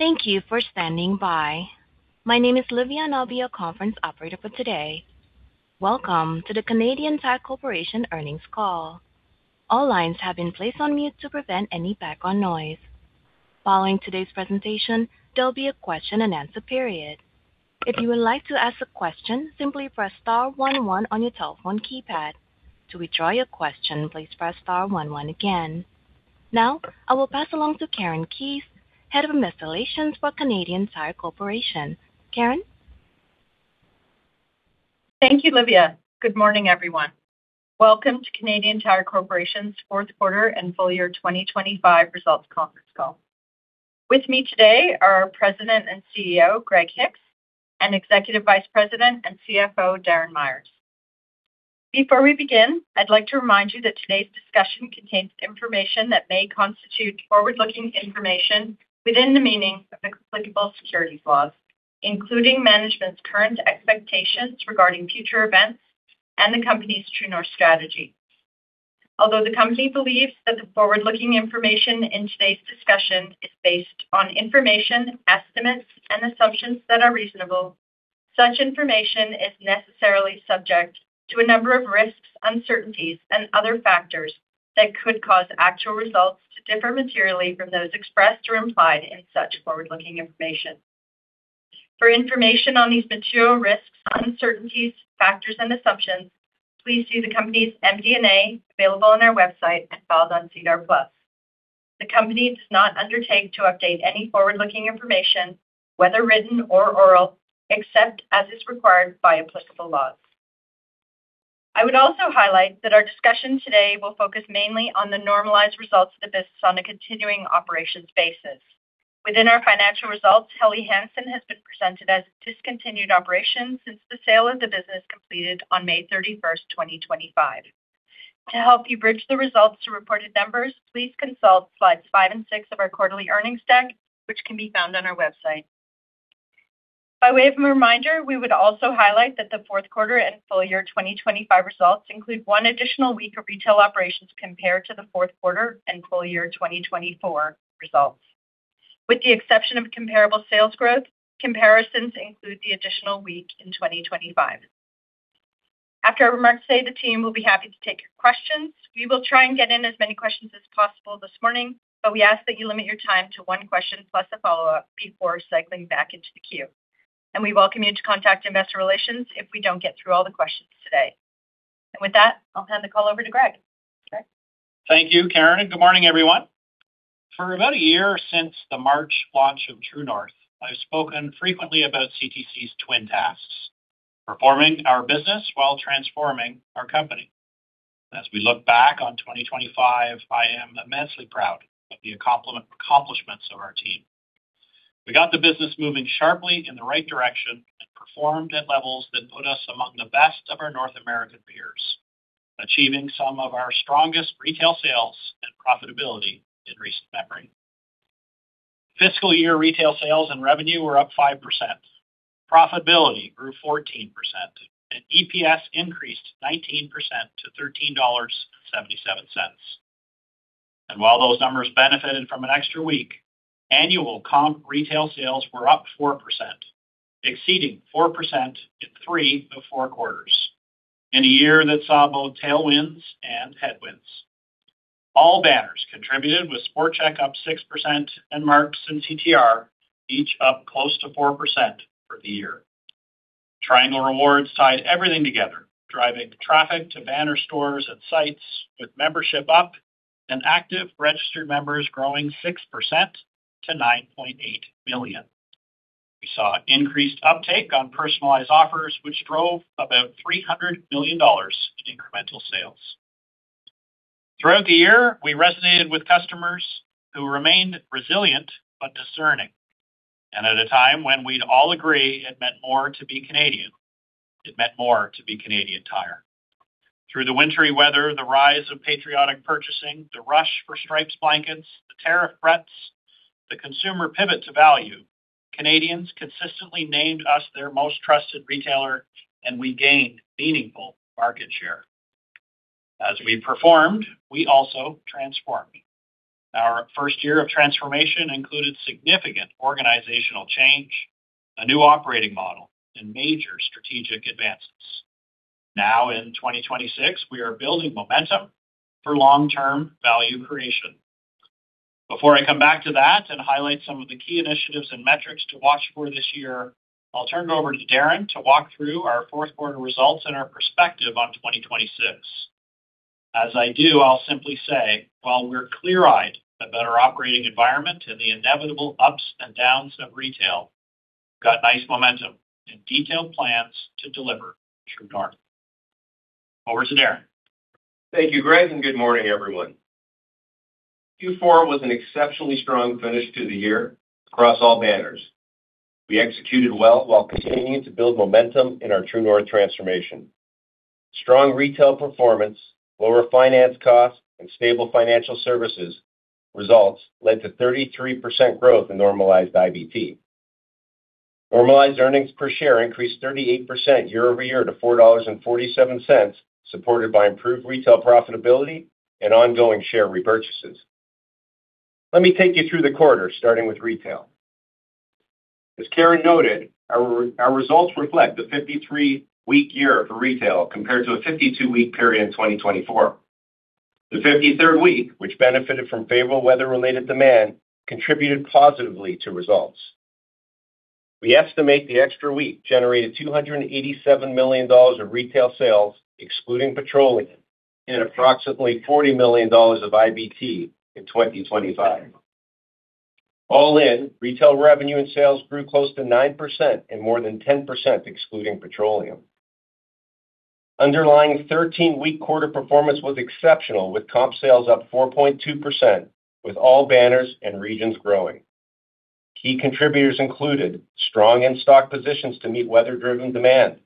Thank you for standing by. My name is Livia, and I'll be your conference operator for today. Welcome to the Canadian Tire Corporation earnings call. All lines have been placed on mute to prevent any background noise. Following today's presentation, there will be a question-and-answer period. If you would like to ask a question, simply press star one one on your telephone keypad. To withdraw your question, please press star one one again. Now I will pass along to Karen Keyes, Head of Investor Relations for Canadian Tire Corporation. Karen? Thank you, Livia. Good morning, everyone. Welcome to Canadian Tire Corporation's fourth quarter and full year 2025 results conference call. With me today are our President and CEO, Greg Hicks, and Executive Vice President and CFO, Darren Myers. Before we begin, I'd like to remind you that today's discussion contains information that may constitute forward-looking information within the meaning of applicable securities laws, including management's current expectations regarding future events and the company's True North strategy. Although the company believes that the forward-looking information in today's discussion is based on information, estimates, and assumptions that are reasonable, such information is necessarily subject to a number of risks, uncertainties, and other factors that could cause actual results to differ materially from those expressed or implied in such forward-looking information. For information on these material risks, uncertainties, factors, and assumptions, please see the company's MD&A available on our website and filed on SEDAR+. The company does not undertake to update any forward-looking information, whether written or oral, except as is required by applicable laws. I would also highlight that our discussion today will focus mainly on the normalized results of the business on a continuing operations basis. Within our financial results, Helly Hansen has been presented as discontinued operations since the sale of the business completed on May 31, 2025. To help you bridge the results to reported numbers, please consult slides 5 and 6 of our quarterly earnings deck, which can be found on our website. By way of a reminder, we would also highlight that the fourth quarter and full year 2025 results include one additional week of retail operations compared to the fourth quarter and full year 2024 results. With the exception of comparable sales growth, comparisons include the additional week in 2025. After our remarks today, the team will be happy to take your questions. We will try and get in as many questions as possible this morning, but we ask that you limit your time to one question plus a follow-up before cycling back into the queue. And we welcome you to contact Investor Relations if we don't get through all the questions today. And with that, I'll hand the call over to Greg. Greg? Thank you, Karen, and good morning, everyone. For about a year since the March launch of True North, I've spoken frequently about CTC's twin tasks: performing our business while transforming our company. As we look back on 2025, I am immensely proud of the accomplishments of our team. We got the business moving sharply in the right direction and performed at levels that put us among the best of our North American peers, achieving some of our strongest retail sales and profitability in recent memory. Fiscal year retail sales and revenue were up 5%, profitability grew 14%, and EPS increased 19% to 13.77 dollars. And while those numbers benefited from an extra week, annual comp retail sales were up 4%, exceeding 4% in 3 of 4 quarters, in a year that saw both tailwinds and headwinds. All banners contributed, with Sport Chek up 6%, and Mark's and CTR each up close to 4% for the year. Triangle Rewards tied everything together, driving traffic to banner stores and sites, with membership up and active registered members growing 6% to 9.8 million. We saw increased uptake on personalized offers, which drove about 300 million dollars in incremental sales. Throughout the year, we resonated with customers who remained resilient but discerning. And at a time when we'd all agree it meant more to be Canadian, it meant more to be Canadian Tire. Through the wintry weather, the rise of patriotic purchasing, the rush for stripes blankets, the tariff threats, the consumer pivot to value, Canadians consistently named us their most trusted retailer, and we gained meaningful market share. As we performed, we also transformed. Our first year of transformation included significant organizational change, a new operating model, and major strategic advances. Now, in 2026, we are building momentum for long-term value creation. Before I come back to that and highlight some of the key initiatives and metrics to watch for this year, I'll turn it over to Darren to walk through our fourth quarter results and our perspective on 2026. As I do, I'll simply say, while we're clear-eyed about our operating environment and the inevitable ups and downs of retail, we've got nice momentum and detailed plans to deliver True North. Over to Darren. Thank you, Greg, and good morning, everyone. Q4 was an exceptionally strong finish to the year across all banners. We executed well while continuing to build momentum in our True North transformation. Strong retail performance, lower finance costs, and stable financial services results led to 33% growth in normalized IBT. Normalized earnings per share increased 38% year-over-year to 4.47 dollars, supported by improved retail profitability and ongoing share repurchases. Let me take you through the quarter, starting with retail. As Karen noted, our results reflect the 53-week year for retail compared to a 52-week period in 2024. The 53rd week, which benefited from favorable weather-related demand, contributed positively to results. We estimate the extra week generated 287 million dollars of retail sales, excluding petroleum, and approximately 40 million dollars of IBT in 2025. All in, retail revenue and sales grew close to 9% and more than 10% excluding petroleum. Underlying 13-week quarter performance was exceptional, with comp sales up 4.2%, with all banners and regions growing. Key contributors included strong in-stock positions to meet weather-driven demand,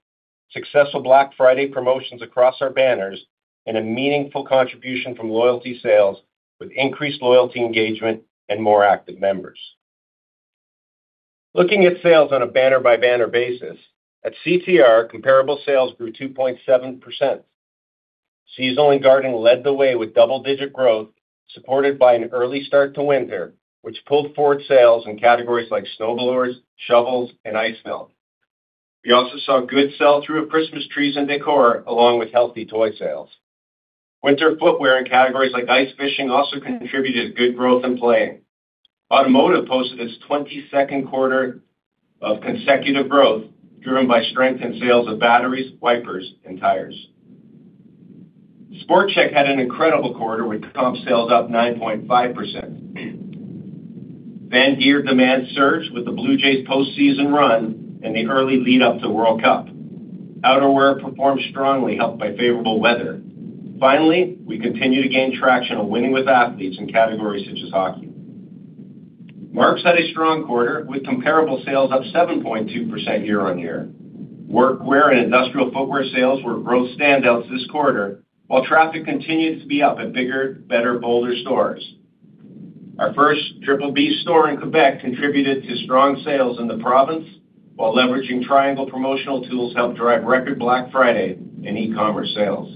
successful Black Friday promotions across our banners, and a meaningful contribution from loyalty sales with increased loyalty engagement and more active members. Looking at sales on a banner-by-banner basis, at CTR, comparable sales grew 2.7%. Seasonal and Garden led the way with double-digit growth, supported by an early start to winter, which pulled forward sales in categories like snowblowers, shovels, and ice melt. We also saw good sell-through of Christmas trees and decor, along with healthy toy sales. Winter footwear in categories like ice fishing also contributed good growth in Playing. Automotive posted its 22nd quarter of consecutive growth, driven by strength in sales of batteries, wipers, and tires. Sport Chek had an incredible quarter with comp sales up 9.5%. Fan gear demand surged with the Blue Jays postseason run and the early lead up to World Cup. Outerwear performed strongly, helped by favorable weather. Finally, we continue to gain traction on winning with athletes in categories such as hockey. Mark's had a strong quarter, with comparable sales up 7.2% year-on-year. Workwear and industrial footwear sales were growth standouts this quarter, while traffic continued to be up at Bigger, Better, Bolder stores. Our first Triple B store in Quebec contributed to strong sales in the province, while leveraging Triangle promotional tools helped drive record Black Friday and e-commerce sales.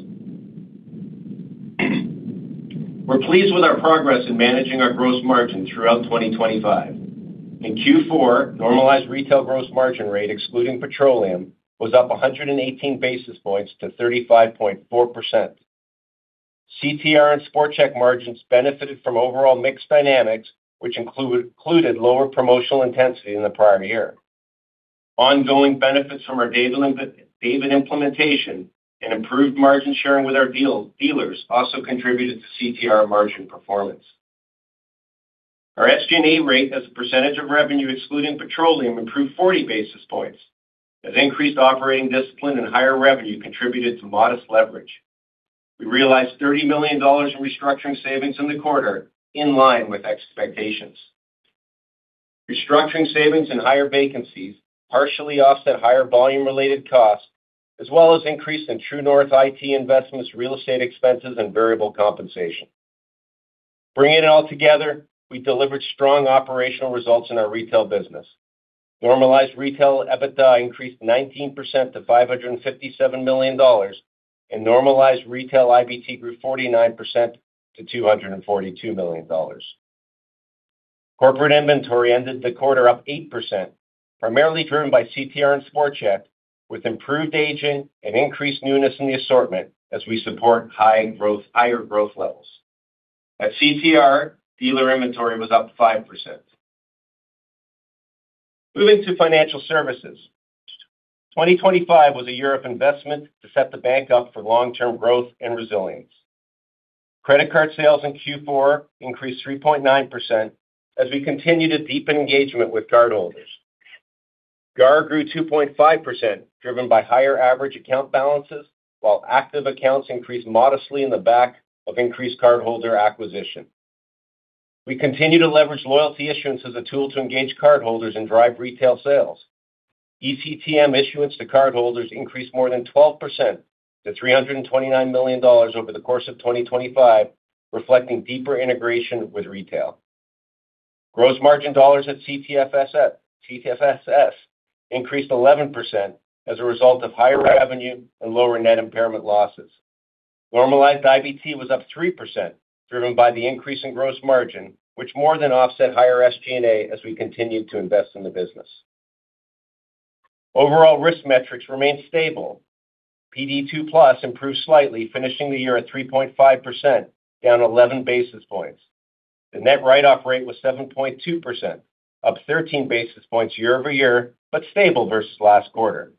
We're pleased with our progress in managing our gross margin throughout 2025. In Q4, normalized retail gross margin rate, excluding petroleum, was up 118 basis points to 35.4%. CTR and Sport Chek margins benefited from overall mix dynamics, which included lower promotional intensity in the prior year. Ongoing benefits from our David implementation and improved margin sharing with our dealers also contributed to CTR margin performance. Our SG&A rate as a percentage of revenue, excluding petroleum, improved 40 basis points, as increased operating discipline and higher revenue contributed to modest leverage. We realized 30 million dollars in restructuring savings in the quarter, in line with expectations. Restructuring savings and higher vacancies partially offset higher volume-related costs, as well as increase in True North IT investments, real estate expenses, and variable compensation. Bringing it all together, we delivered strong operational results in our retail business. Normalized retail EBITDA increased 19% to 557 million dollars, and normalized retail IBT grew 49% to 242 million dollars. Corporate inventory ended the quarter up 8%, primarily driven by CTR and Sport Chek, with improved aging and increased newness in the assortment as we support high growth- higher growth levels. At CTR, dealer inventory was up 5%. Moving to financial services. 2025 was a year of investment to set the bank up for long-term growth and resilience. Credit card sales in Q4 increased 3.9%, as we continued to deepen engagement with cardholders. GAR grew 2.5%, driven by higher average account balances, while active accounts increased modestly in the back of increased cardholder acquisition. We continue to leverage loyalty issuance as a tool to engage cardholders and drive retail sales. eCTM issuance to cardholders increased more than 12% to 329 million dollars over the course of 2025, reflecting deeper integration with retail. Gross margin dollars at CTFS increased 11% as a result of higher revenue and lower net impairment losses. Normalized IBT was up 3%, driven by the increase in gross margin, which more than offset higher SG&A as we continued to invest in the business. Overall risk metrics remained stable. PD2+ improved slightly, finishing the year at 3.5%, down 11 basis points. The net write-off rate was 7.2%, up 13 basis points year-over-year, but stable versus last quarter.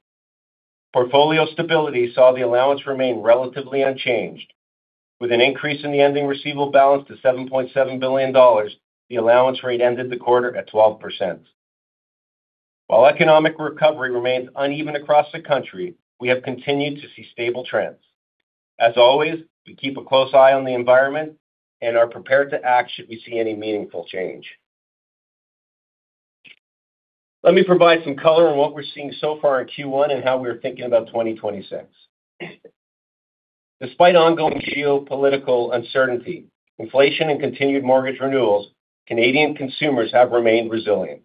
Portfolio stability saw the allowance remain relatively unchanged. With an increase in the ending receivable balance to 7.7 billion dollars, the allowance rate ended the quarter at 12%. While economic recovery remains uneven across the country, we have continued to see stable trends. As always, we keep a close eye on the environment and are prepared to act should we see any meaningful change. Let me provide some color on what we're seeing so far in Q1 and how we're thinking about 2026. Despite ongoing geopolitical uncertainty, inflation and continued mortgage renewals, Canadian consumers have remained resilient.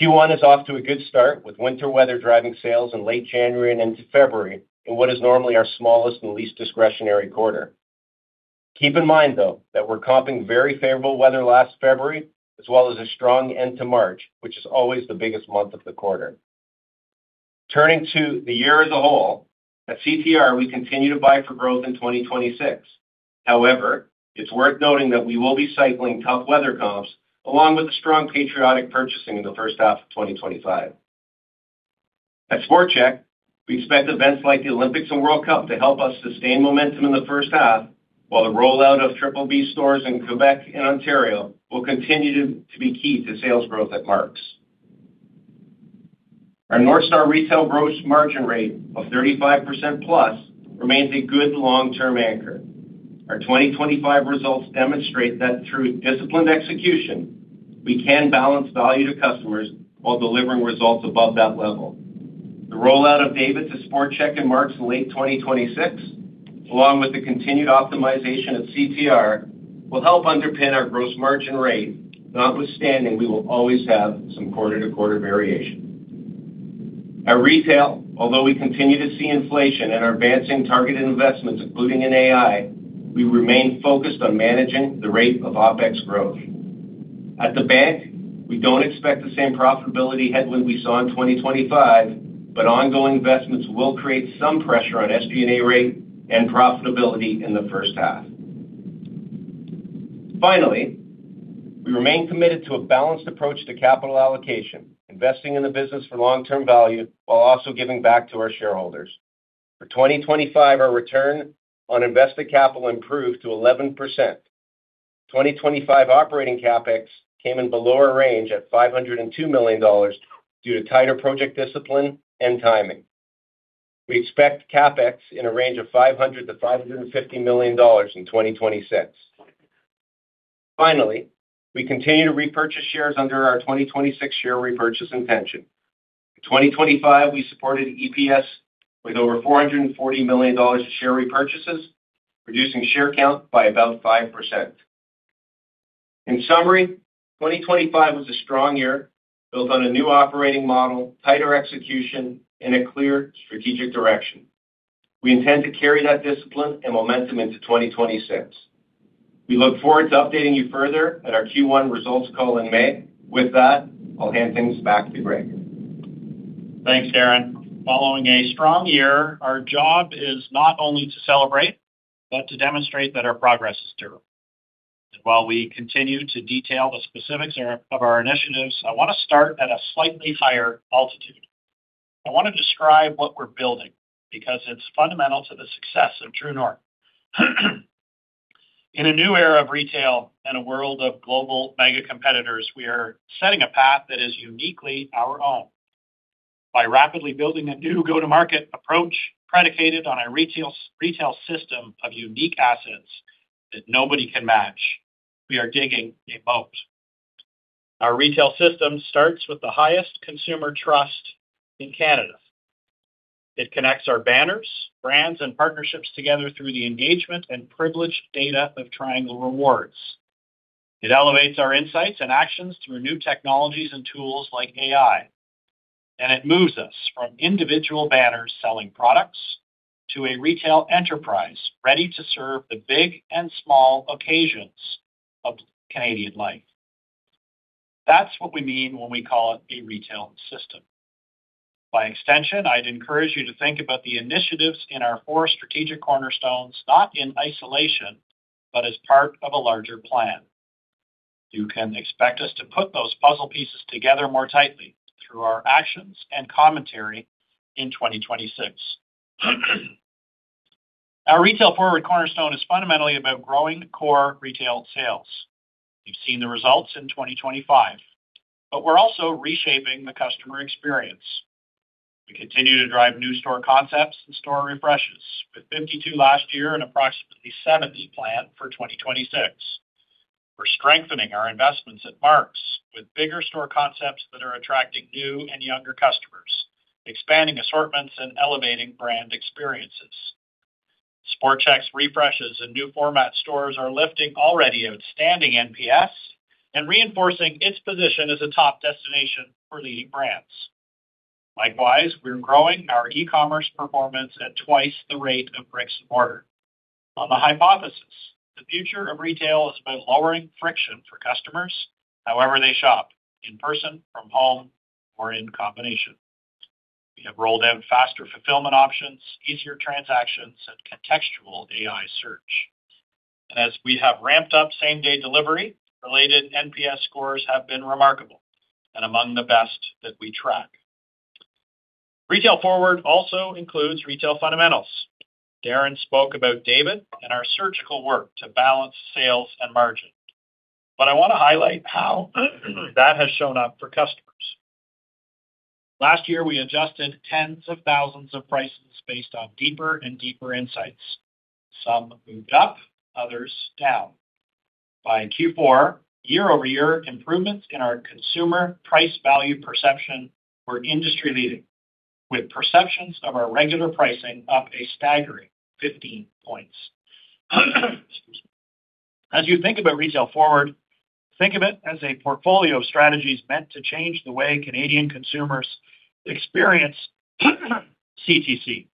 Q1 is off to a good start, with winter weather driving sales in late January and into February, in what is normally our smallest and least discretionary quarter. Keep in mind, though, that we're comping very favorable weather last February, as well as a strong end to March, which is always the biggest month of the quarter. Turning to the year as a whole, at CTR, we continue to buy for growth in 2026. However, it's worth noting that we will be cycling tough weather comps along with the strong patriotic purchasing in the first half of 2025. At Sport Chek, we expect events like the Olympics and World Cup to help us sustain momentum in the first half, while the rollout of Triple B stores in Quebec and Ontario will continue to be key to sales growth at Mark's. Our North Star retail gross margin rate of 35%+ remains a good long-term anchor. Our 2025 results demonstrate that through disciplined execution, we can balance value to customers while delivering results above that level. The rollout of David to Sport Chek and Mark's in late 2026, along with the continued optimization of CTR, will help underpin our gross margin rate, notwithstanding, we will always have some quarter-to-quarter variation. At retail, although we continue to see inflation and are advancing targeted investments, including in AI, we remain focused on managing the rate of OpEx growth. At the bank, we don't expect the same profitability headwind we saw in 2025, but ongoing investments will create some pressure on SG&A rate and profitability in the first half. Finally, we remain committed to a balanced approach to capital allocation, investing in the business for long-term value while also giving back to our shareholders. For 2025, our return on invested capital improved to 11%. 2025 operating CapEx came in below our range at 502 million dollars due to tighter project discipline and timing. We expect CapEx in a range of 500 million-550 million dollars in 2026. Finally, we continue to repurchase shares under our 2026 share repurchase intention. In 2025, we supported EPS with over 440 million dollars in share repurchases, reducing share count by about 5%. In summary, 2025 was a strong year, built on a new operating model, tighter execution, and a clear strategic direction. We intend to carry that discipline and momentum into 2026. We look forward to updating you further at our Q1 results call in May. With that, I'll hand things back to Greg. Thanks, Darren. Following a strong year, our job is not only to celebrate but to demonstrate that our progress is durable. While we continue to detail the specifics of our initiatives, I want to start at a slightly higher altitude. I want to describe what we're building because it's fundamental to the success of True North. In a new era of retail and a world of global mega competitors, we are setting a path that is uniquely our own. By rapidly building a new go-to-market approach, predicated on a retail system of unique assets that nobody can match, we are digging a moat. Our retail system starts with the highest consumer trust in Canada. It connects our banners, brands, and partnerships together through the engagement and privileged data of Triangle Rewards. It elevates our insights and actions through new technologies and tools like AI, and it moves us from individual banners selling products to a retail enterprise ready to serve the big and small occasions of Canadian life. That's what we mean when we call it a retail system. By extension, I'd encourage you to think about the initiatives in our four strategic cornerstones, not in isolation, but as part of a larger plan. You can expect us to put those puzzle pieces together more tightly through our actions and commentary in 2026. Our Retail Forward cornerstone is fundamentally about growing core retail sales. We've seen the results in 2025, but we're also reshaping the customer experience. We continue to drive new store concepts and store refreshes, with 52 last year and approximately 70 planned for 2026. We're strengthening our investments at Mark's with bigger store concepts that are attracting new and younger customers, expanding assortments, and elevating brand experiences. Sport Chek's refreshes and new format stores are lifting already outstanding NPS and reinforcing its position as a top destination for leading brands. Likewise, we're growing our e-commerce performance at twice the rate of brick-and-mortar. On the hypothesis, the future of retail is about lowering friction for customers however they shop, in person, from home, or in combination. We have rolled out faster fulfillment options, easier transactions, and contextual AI search. And as we have ramped up same-day delivery, related NPS scores have been remarkable and among the best that we track. Retail Forward also includes retail fundamentals. Darren spoke about David and our surgical work to balance sales and margin, but I want to highlight how that has shown up for customers. Last year, we adjusted tens of thousands of prices based on deeper and deeper insights. Some moved up, others down. By Q4, year-over-year improvements in our consumer price value perception were industry-leading, with perceptions of our regular pricing up a staggering 15 points. As you think about Retail Forward, think of it as a portfolio of strategies meant to change the way Canadian consumers experience CTC,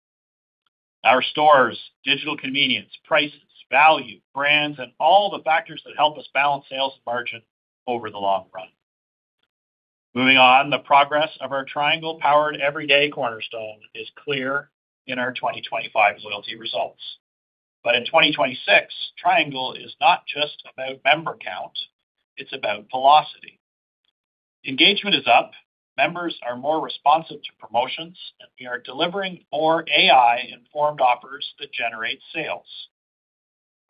our stores, digital convenience, prices, value, brands, and all the factors that help us balance sales margin over the long run. Moving on, the progress of our Triangle-Powered Everyday cornerstone is clear in our 2025 loyalty results. But in 2026, Triangle is not just about member count, it's about velocity. Engagement is up, members are more responsive to promotions, and we are delivering more AI-informed offers that generate sales.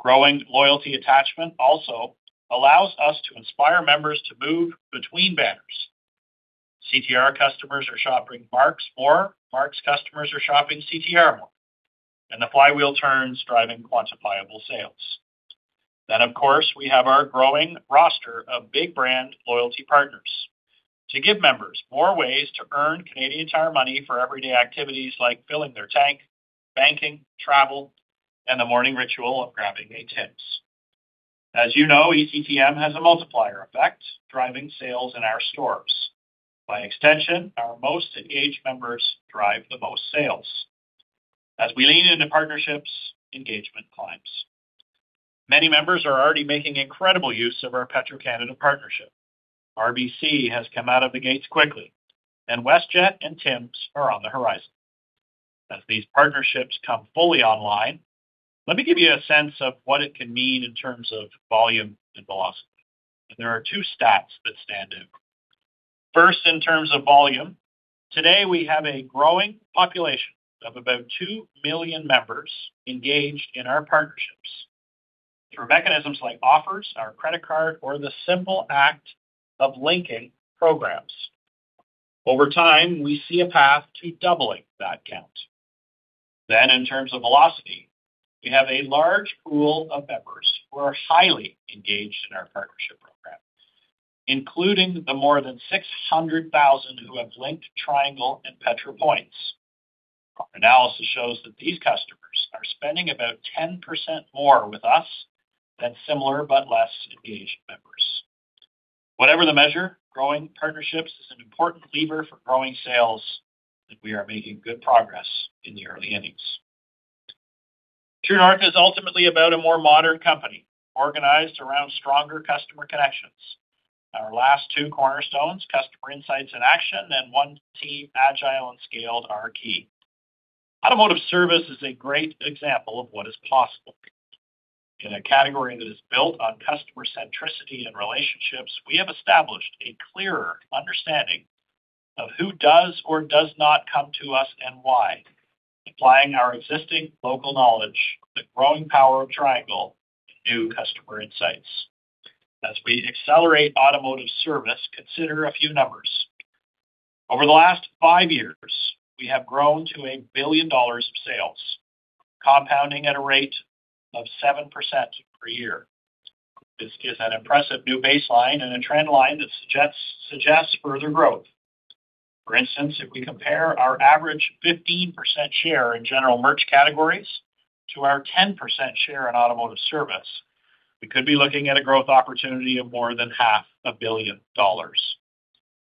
Growing loyalty attachment also allows us to inspire members to move between banners. CTR customers are shopping Mark's more, Mark's customers are shopping CTR more, and the flywheel turns, driving quantifiable sales. Then, of course, we have our growing roster of big brand loyalty partners to give members more ways to earn Canadian Tire Money for everyday activities like filling their tank, banking, travel, and the morning ritual of grabbing a Tim's. As you know, eCTM has a multiplier effect, driving sales in our stores. By extension, our most engaged members drive the most sales. As we lean into partnerships, engagement climbs. Many members are already making incredible use of our Petro-Canada partnership. RBC has come out of the gates quickly, and WestJet and Tim's are on the horizon. As these partnerships come fully online, let me give you a sense of what it can mean in terms of volume and velocity. There are two stats that stand out. First, in terms of volume, today, we have a growing population of about 2 million members engaged in our partnerships through mechanisms like offers, our credit card, or the simple act of linking programs. Over time, we see a path to doubling that count. Then in terms of velocity, we have a large pool of members who are highly engaged in our partnership program, including the more than 600,000 who have linked Triangle and Petro-Points. Our analysis shows that these customers are spending about 10% more with us than similar but less engaged members. Whatever the measure, growing partnerships is an important lever for growing sales, and we are making good progress in the early innings. True North is ultimately about a more modern company, organized around stronger customer connections. Our last two cornerstones, Customer Insights and Action, and One Team, Agile and Scaled, are key. Automotive service is a great example of what is possible. In a category that is built on customer centricity and relationships, we have established a clearer understanding of who does or does not come to us and why, applying our existing local knowledge, the growing power of Triangle, to new customer insights. As we accelerate automotive service, consider a few numbers. Over the last five years, we have grown to 1 billion dollars of sales, compounding at a rate of 7% per year. This is an impressive new baseline and a trend line that suggests further growth. For instance, if we compare our average 15% share in general merch categories to our 10% share in automotive service, we could be looking at a growth opportunity of more than 500 million dollars.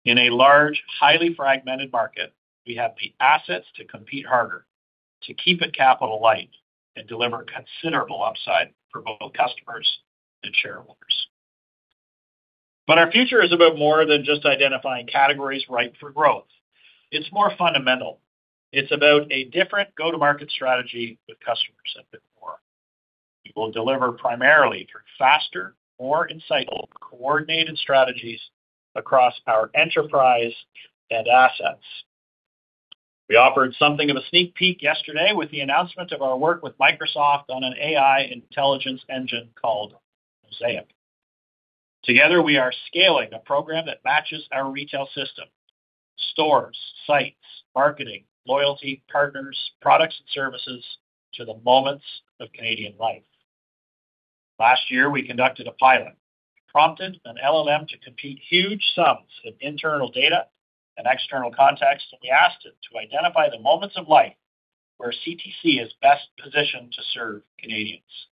In a large, highly fragmented market, we have the assets to compete harder, to keep it capital light, and deliver considerable upside for both customers and shareholders. Our future is about more than just identifying categories ripe for growth. It's more fundamental. It's about a different go-to-market strategy with customer centric more. We will deliver primarily through faster, more insightful, coordinated strategies across our enterprise and assets. We offered something of a sneak peek yesterday with the announcement of our work with Microsoft on an AI intelligence engine called Mosaic. Together, we are scaling a program that matches our retail system, stores, sites, marketing, loyalty, partners, products, and services to the moments of Canadian life. Last year, we conducted a pilot, prompted an LLM to compute huge sums in internal data and external context, and we asked it to identify the moments of life where CTC is best positioned to serve Canadians.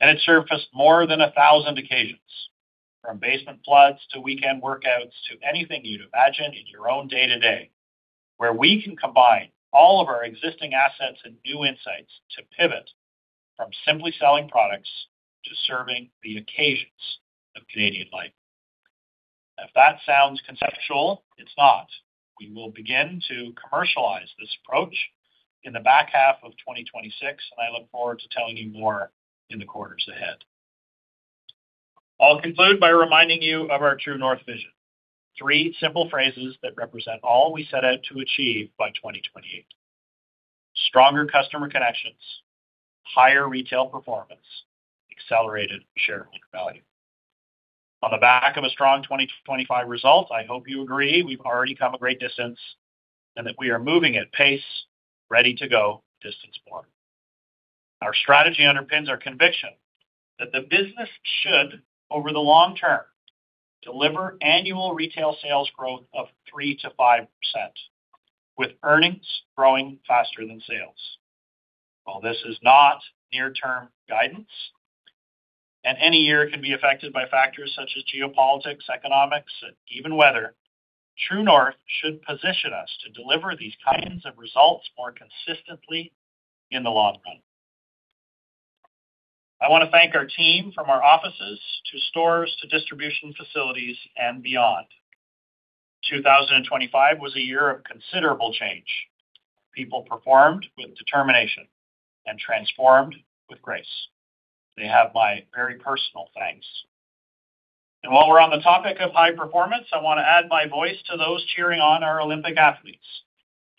It surfaced more than a thousand occasions, from basement floods, to weekend workouts, to anything you'd imagine in your own day-to-day, where we can combine all of our existing assets and new insights to pivot from simply selling products to serving the occasions of Canadian life. If that sounds conceptual, it's not. We will begin to commercialize this approach in the back half of 2026, and I look forward to telling you more in the quarters ahead. I'll conclude by reminding you of our True North vision. Three simple phrases that represent all we set out to achieve by 2028: Stronger customer connections, higher retail performance, accelerated shareholder value. On the back of a strong 2025 result, I hope you agree we've already come a great distance, and that we are moving at pace, ready to go distance more. Our strategy underpins our conviction that the business should, over the long term, deliver annual retail sales growth of 3%-5%, with earnings growing faster than sales. While this is not near-term guidance, and any year can be affected by factors such as geopolitics, economics, and even weather, True North should position us to deliver these kinds of results more consistently in the long run. I want to thank our team from our offices, to stores, to distribution facilities and beyond. 2025 was a year of considerable change. People performed with determination and transformed with grace. They have my very personal thanks. While we're on the topic of high performance, I want to add my voice to those cheering on our Olympic athletes,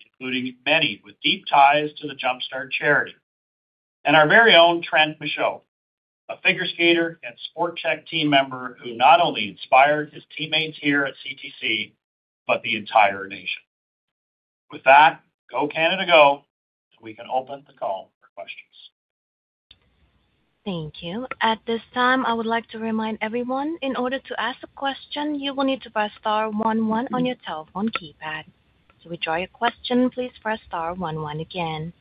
including many with deep ties to the Jumpstart charity, and our very own Trennt Michaud, a figure skater and Sport Chek team member who not only inspired his teammates here at CTC, but the entire nation. With that, go, Canada, go! We can open the call for questions. Thank you. At this time, I would like to remind everyone, in order to ask a question, you will need to press star one one on your telephone keypad. To withdraw your question, please press star one one again.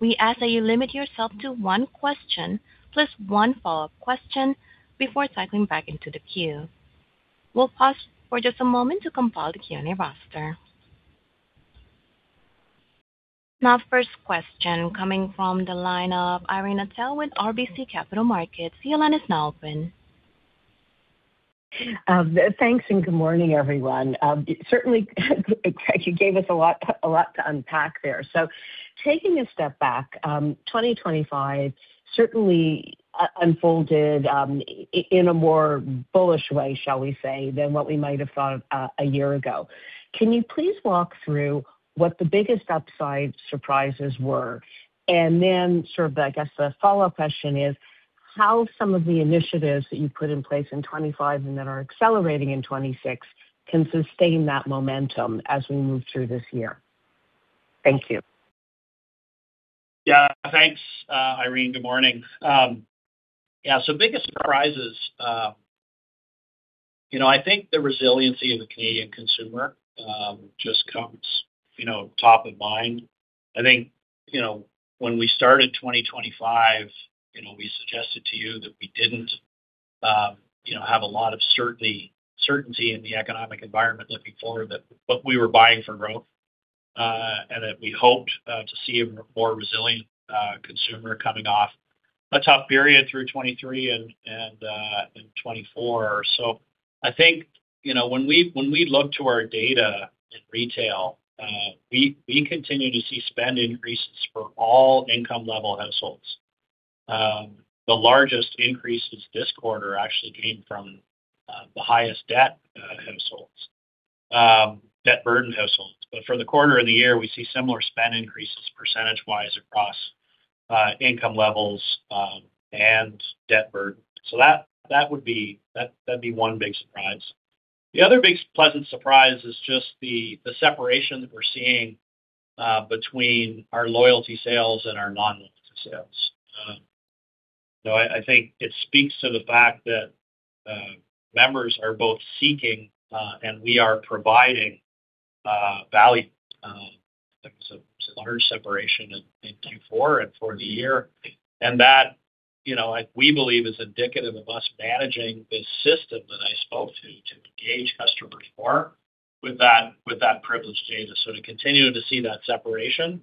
We ask that you limit yourself to one question, plus one follow-up question before cycling back into the queue. We'll pause for just a moment to compile the Q&A roster. Now, first question coming from the line of Irene Nattel with RBC Capital Markets. Your line is now open. Thanks, and good morning, everyone. Certainly, you gave us a lot, a lot to unpack there. Taking a step back, 2025 certainly unfolded in a more bullish way, shall we say, than what we might have thought a year ago. Can you please walk through what the biggest upside surprises were? And then sort of, I guess, the follow-up question is, how some of the initiatives that you put in place in 2025 and that are accelerating in 2026 can sustain that momentum as we move through this year? Thank you. Yeah, thanks, Irene. Good morning. Yeah, so biggest surprises, you know, I think the resiliency of the Canadian consumer just comes, you know, top of mind. I think, you know, when we started 2025, you know, we suggested to you that we didn't, you know, have a lot of certainty in the economic environment looking forward, but we were buying for growth, and that we hoped to see a more resilient consumer coming off a tough period through 2023 and 2024. So I think, you know, when we look to our data in retail, we continue to see spend increases for all income level households. The largest increases this quarter actually gained from the highest debt households, debt burden households. But for the quarter of the year, we see similar spend increases percentage-wise across income levels and debt burden. So that, that would be that, that'd be one big surprise. The other big pleasant surprise is just the separation that we're seeing between our loyalty sales and our non-loyalty sales. So I, I think it speaks to the fact that members are both seeking and we are providing value. So large separation in Q4 and for the year. And that, you know, we believe is indicative of us managing this system that I spoke to, to engage customers more with that, with that privileged data. So to continue to see that separation,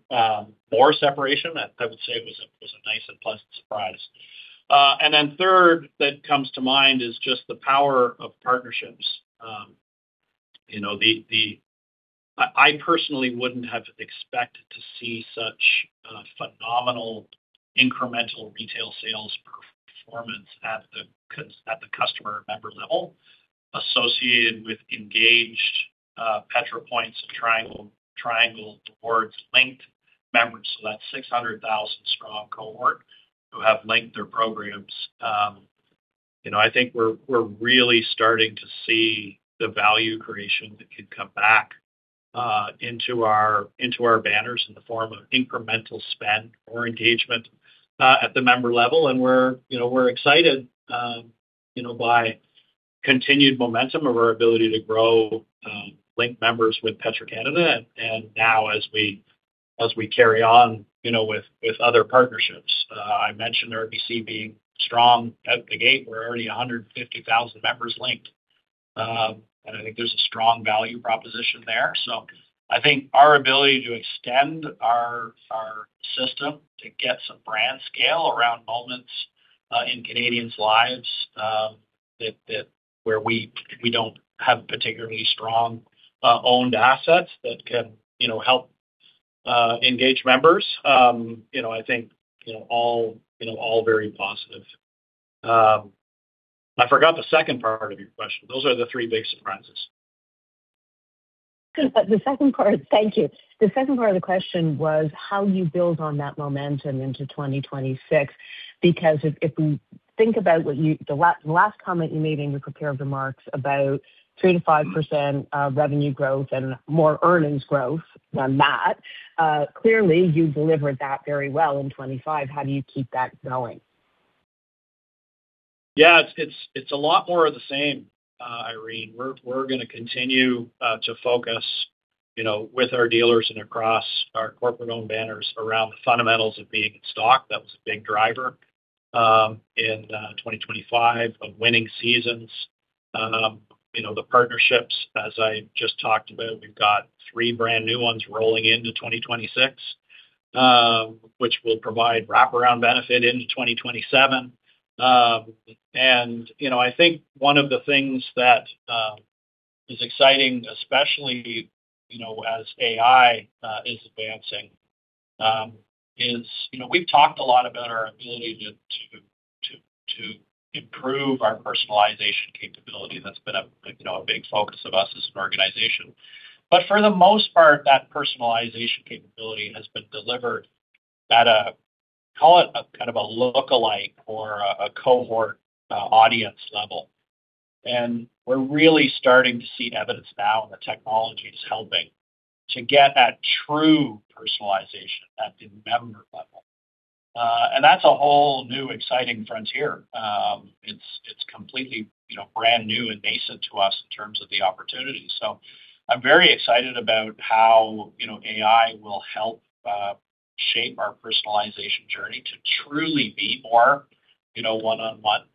more separation, that I would say was a nice and pleasant surprise. And then third, that comes to mind is just the power of partnerships. You know, the, I personally wouldn't have expected to see such phenomenal incremental retail sales performance at the customer member level associated with engaged Petro-Points and Triangle Rewards linked members. So that's 600,000 strong cohort who have linked their programs. You know, I think we're really starting to see the value creation that could come back into our banners in the form of incremental spend or engagement at the member level. And we're excited by continued momentum of our ability to grow link members with Petro-Canada. And now as we carry on, you know, with other partnerships, I mentioned RBC being strong out the gate, we're already 150,000 members linked. And I think there's a strong value proposition there. So I think our ability to extend our system to get some brand scale around moments in Canadians' lives, that where we don't have particularly strong owned assets that can, you know, help engage members. You know, I forgot the second part of your question. Those are the 3 big surprises. The second part, thank you. The second part of the question was how you build on that momentum into 2026. Because if we think about what you, the last comment you made in your prepared remarks about 3%-5% revenue growth and more earnings growth than that, clearly, you delivered that very well in 2025. How do you keep that going? Yeah, it's a lot more of the same, Irene. We're gonna continue to focus, you know, with our dealers and across our corporate-owned banners around the fundamentals of being in stock. That was a big driver in 2025 of winning seasons. You know, the partnerships, as I just talked about, we've got 3 brand new ones rolling into 2026, which will provide wraparound benefit into 2027. And, you know, I think one of the things that is exciting, especially, you know, as AI is advancing, is, you know, we've talked a lot about our ability to improve our personalization capability. That's been a, you know, a big focus of us as an organization. But for the most part, that personalization capability has been delivered at a, call it a kind of a lookalike or a cohort, audience level. And we're really starting to see evidence now that technology is helping to get that true personalization at the member level. And that's a whole new exciting frontier. It's completely, you know, brand new and nascent to us in terms of the opportunity. So I'm very excited about how, you know, AI will help shape our personalization journey to truly be more, you know, one-on-one.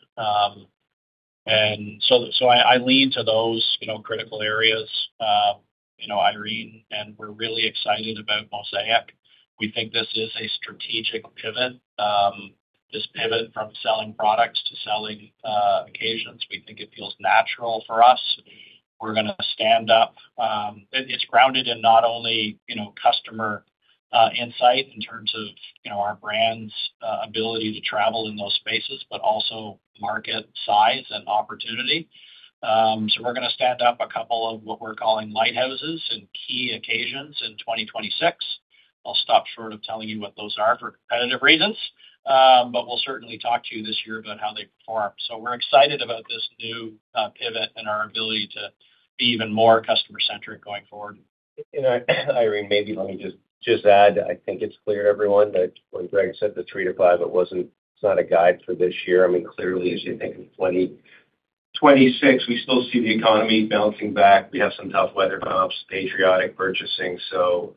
And so I lean to those, you know, critical areas, you know, Irene, and we're really excited about Mosaic. We think this is a strategic pivot, this pivot from selling products to selling occasions. We think it feels natural for us. We're gonna stand up. It's grounded in not only, you know, customer insight in terms of, you know, our brand's ability to travel in those spaces, but also market size and opportunity. So we're gonna stand up a couple of what we're calling lighthouses and key occasions in 2026. I'll stop short of telling you what those are for competitive reasons, but we'll certainly talk to you this year about how they perform. So we're excited about this new pivot and our ability to be even more customer-centric going forward. Irene, maybe let me just, just add, I think it's clear to everyone that when Greg said the 3-5, it wasn't. It's not a guide for this year. I mean, clearly, as you think of 2026, we still see the economy bouncing back. We have some tough weather comps, patriotic purchasing. So,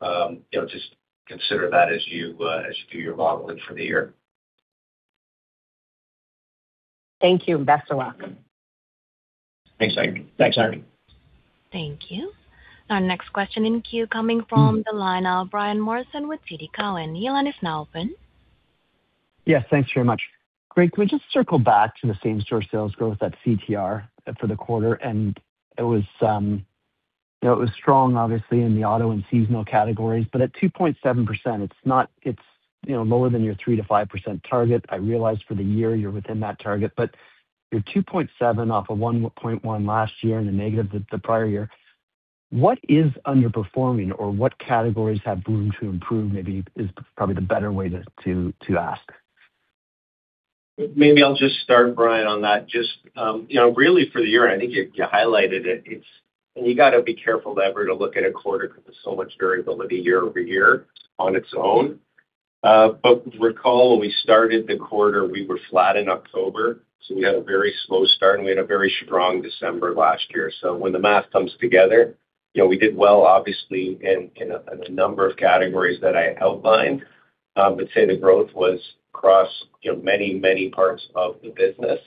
you know, just consider that as you do your modeling for the year. Thank you, and best of luck. Thanks, Irene. Thanks, Irene. Thank you. Our next question in queue coming from the line of Brian Morrison with TD Cowen. Your line is now open. Yes, thanks very much. Greg, can we just circle back to the same-store sales growth at CTR for the quarter? And it was, you know, it was strong, obviously, in the auto and seasonal categories, but at 2.7%, it's not, it's, you know, lower than your 3%-5% target. I realize for the year you're within that target, but you're 2.7 off of 1.1 last year and the negative the prior year. What is underperforming, or what categories have room to improve, maybe is probably the better way to ask? Maybe I'll just start, Brian, on that. Just, you know, really for the year, I think you highlighted it. It's, and you got to be careful, however, to look at a quarter because there's so much variability year-over-year on its own. But recall, when we started the quarter, we were flat in October, so we had a very slow start, and we had a very strong December last year. So when the math comes together, you know, we did well, obviously, in a number of categories that I outlined. I would say the growth was across, you know, many, many parts of the business,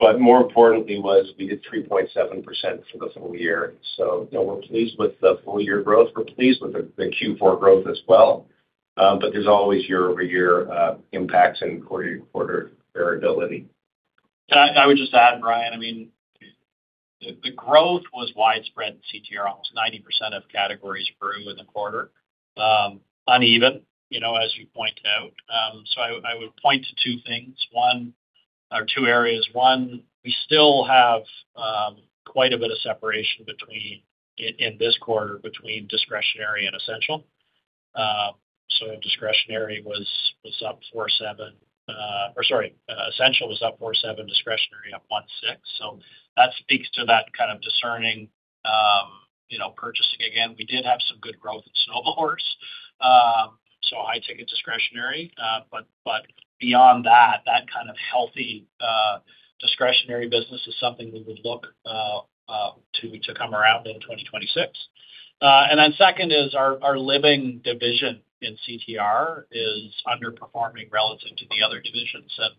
but more importantly was we did 3.7% for the full year. So, you know, we're pleased with the full year growth. We're pleased with the Q4 growth as well. There's always year-over-year impacts and quarter-to-quarter variability. I would just add, Brian, I mean, the growth was widespread in CTR. Almost 90% of categories grew in the quarter, uneven, you know, as you pointed out. So I would point to two things. One, or two areas. One, we still have quite a bit of separation between, in this quarter, between discretionary and essential. So discretionary was up 4.7, or sorry, essential was up 4.7, discretionary up 1.6. So that speaks to that kind of discerning, you know, purchasing. Again, we did have some good growth in snowmobiles, so I take it discretionary. But beyond that, that kind of healthy discretionary business is something we would look to come around in 2026. And then second is our Living division in CTR is underperforming relative to the other divisions. And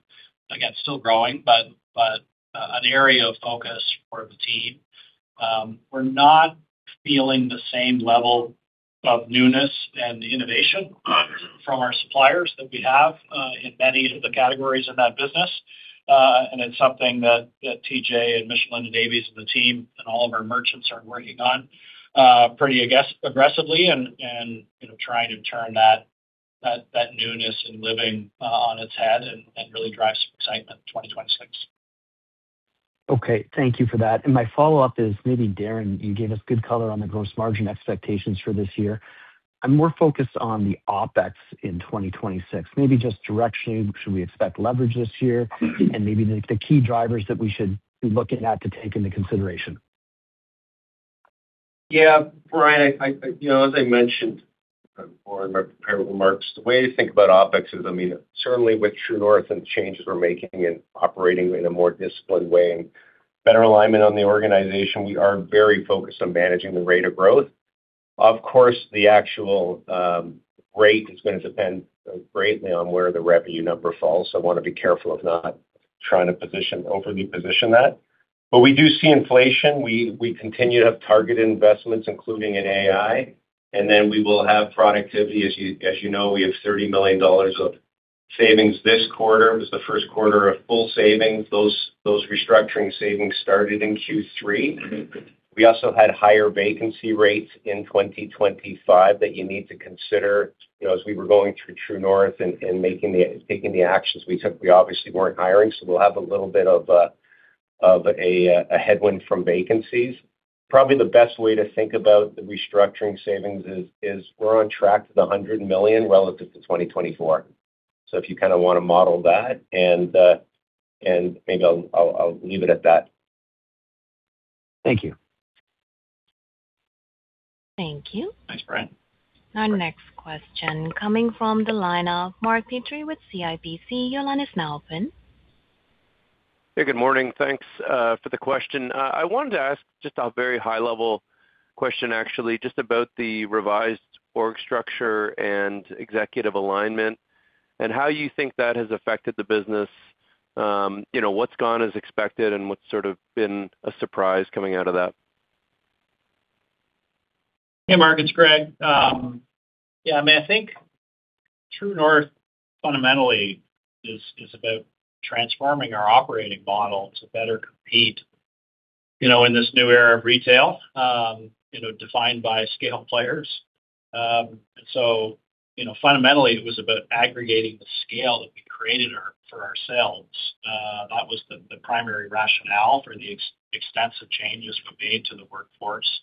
again, still growing, but an area of focus for the team. We're not feeling the same level of newness and innovation from our suppliers that we have in many of the categories in that business. And it's something that TJ and Michelle and Davies and the team and all of our merchants are working on pretty, I guess, aggressively and you know, trying to turn that newness and Living on its head and really drive some excitement in 2026. Okay, thank you for that. And my follow-up is maybe, Darren, you gave us good color on the gross margin expectations for this year. I'm more focused on the OpEx in 2026. Maybe just directionally, should we expect leverage this year? And maybe the, the key drivers that we should be looking at to take into consideration. Yeah, Brian, you know, as I mentioned before in my prepared remarks, the way to think about OpEx is, I mean, certainly with True North and the changes we're making in operating in a more disciplined way and better alignment on the organization, we are very focused on managing the rate of growth. Of course, the actual rate is gonna depend greatly on where the revenue number falls. So I wanna be careful of not trying to overly position that. But we do see inflation. We continue to have targeted investments, including in AI, and then we will have productivity. As you know, we have 30 million dollars of savings this quarter. It was the first quarter of full savings. Those restructuring savings started in Q3. We also had higher vacancy rates in 2025 that you need to consider. You know, as we were going through True North and making the, taking the actions we took, we obviously weren't hiring, so we'll have a little bit of a headwind from vacancies. Probably the best way to think about the restructuring savings is we're on track to 100 million relative to 2024. So if you kinda wanna model that and maybe I'll leave it at that. Thank you. Thank you. Thanks, Brian. Our next question coming from the line of Mark Petrie with CIBC. Your line is now open. Hey, good morning. Thanks for the question. I wanted to ask just a very high-level question, actually, just about the revised org structure and executive alignment, and how you think that has affected the business. You know, what's gone as expected, and what's sort of been a surprise coming out of that? Hey, Mark, it's Greg. Yeah, I mean, I think True North fundamentally is about transforming our operating model to better compete, you know, in this new era of retail, you know, defined by scale players. So, you know, fundamentally, it was about aggregating the scale that we created for ourselves. That was the primary rationale for the extensive changes were made to the workforce.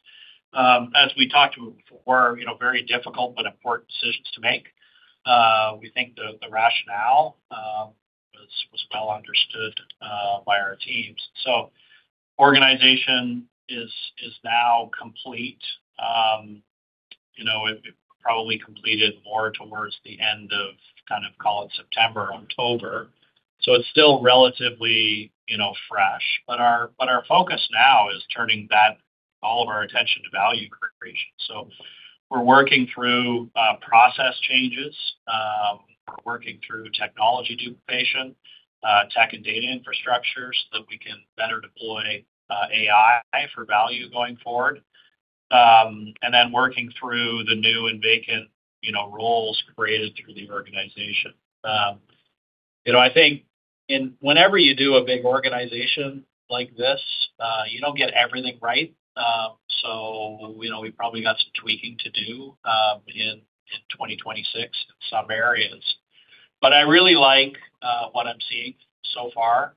As we talked before, you know, very difficult but important decisions to make. We think the rationale was well understood by our teams. So organization is now complete. You know, it probably completed more towards the end of kind of, call it, September or October, so it's still relatively, you know, fresh. But our focus now is turning back all of our attention to value creation. So we're working through process changes. We're working through technology duplication, tech and data infrastructure, so that we can better deploy AI for value going forward. And then working through the new and vacant, you know, roles created through the organization. You know, I think whenever you do a big organization like this, you don't get everything right. So, you know, we probably got some tweaking to do, in 2026 in some areas. But I really like what I'm seeing so far,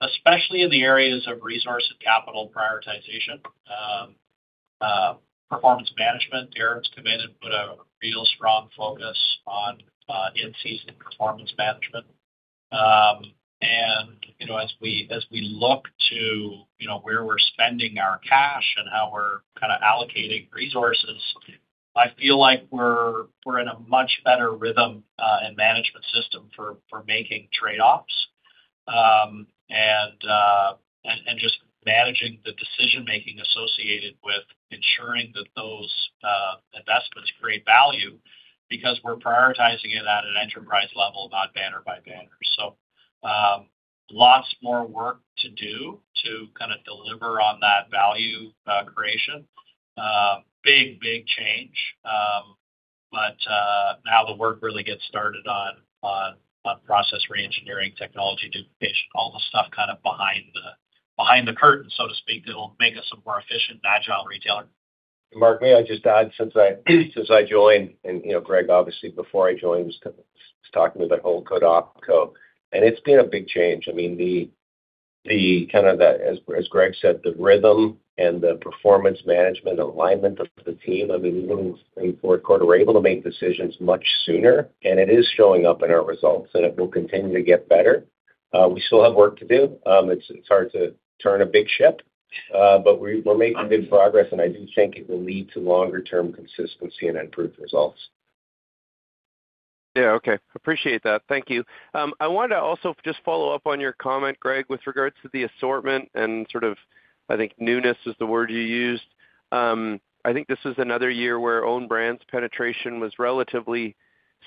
especially in the areas of resource and capital prioritization. Performance management, Darren's committed, put a real strong focus on in-season performance management. And, you know, as we look to, you know, where we're spending our cash and how we're kind of allocating resources, I feel like we're in a much better rhythm and management system for making trade-offs. And just managing the decision-making associated with ensuring that those investments create value because we're prioritizing it at an enterprise level, not banner by banner. So, lots more work to do to kind of deliver on that value creation. Big, big change, but now the work really gets started on process reengineering, technology, duplication, all the stuff kind of behind the curtain, so to speak, that will make us a more efficient and agile retailer. Mark, may I just add, since I joined, and you know, Greg, obviously, before I joined, was talking to the whole Co-Op/OpCo, and it's been a big change. I mean, the kind of, As Greg said, the rhythm and the performance management alignment of the team, I mean, even in the fourth quarter, we're able to make decisions much sooner, and it is showing up in our results, and it will continue to get better. We still have work to do. It's hard to turn a big ship, but we're making good progress, and I do think it will lead to longer-term consistency and improved results. Yeah. Okay. Appreciate that. Thank you. I wanted to also just follow up on your comment, Greg, with regards to the assortment and sort of, I think, newness is the word you used. I think this is another year where own brands penetration was relatively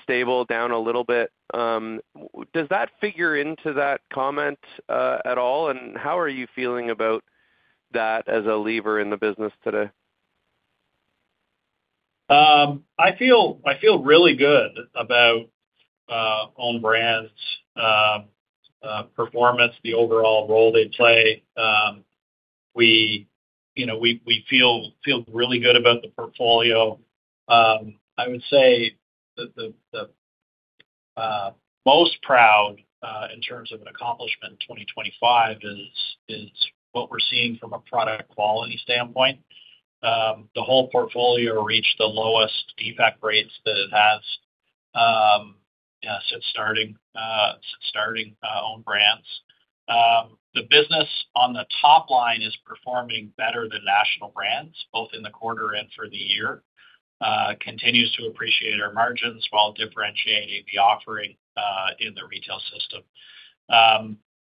stable, down a little bit. Does that figure into that comment at all? And how are you feeling about that as a lever in the business today? I feel, I feel really good about own brands performance, the overall role they play. We, you know, we, we feel, feel really good about the portfolio. I would say that the, the most proud in terms of an accomplishment in 2025 is, is what we're seeing from a product quality standpoint. The whole portfolio reached the lowest defect rates that it has, yeah, since starting, starting own brands. The business on the top line is performing better than national brands, both in the quarter and for the year. Continues to appreciate our margins while differentiating the offering in the retail system.